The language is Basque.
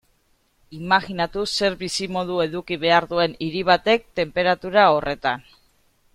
Imajinatu zer bizimodu eduki behar duen hiri batek tenperatura horretan.